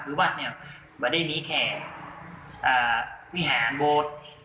คือวัดเนี่ยไม่ได้มีแค่วิหารโบ๊ท